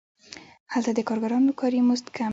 هلته د کارګرانو کاري مزد کم دی